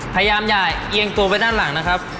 พยายามอย่าเอียงตัวไปด้านหลังนะครับ